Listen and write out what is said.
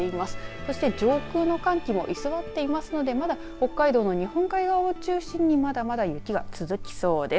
そして上空の寒気も居座っていますのでまだ北海道の日本海側を中心にまだまだ雪が続きそうです。